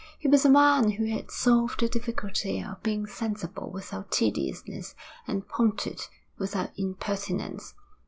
He was a man who had solved the difficulty of being sensible without tediousness and pointed without impertinence.